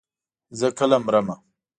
زه کله مرمه.